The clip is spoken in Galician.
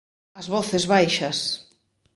'As Voces Baixas'.